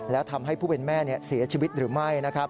แล้วทำให้ผู้เป็นแม่เสียชีวิตหรือไม่นะครับ